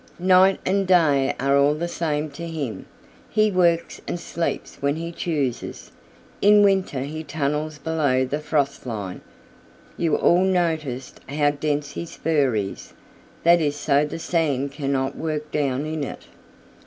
"Night and day are all the same to him. He works and sleeps when he chooses. In winter he tunnels below the frost line. You all noticed how dense his fur is. That is so the sand cannot work down in it.